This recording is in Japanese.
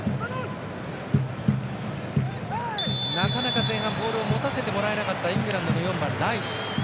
なかなか前半ボールを持たせてもらえなかったイングランドの４番、ライス。